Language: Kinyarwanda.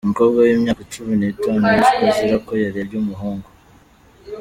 Umukobwa w’imyaka cumi nitanu yishwe azira ko yarebye umuhungu